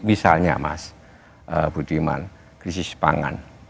misalnya mas budiman krisis pangan